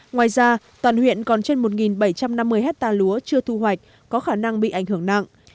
ngoài ra toàn huyện còn trên một bảy trăm năm mươi hectare lúa chưa thu hoạch có khả năng bị ảnh hưởng nặng